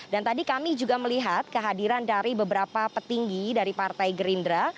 tadi kami juga melihat kehadiran dari beberapa petinggi dari partai gerindra